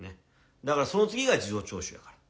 だからその次が事情聴取やから。